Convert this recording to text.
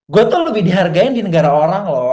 gue tuh lebih dihargai di negara orang loh